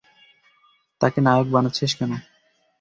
তাকে নায়ক বানাচ্ছিস কেন?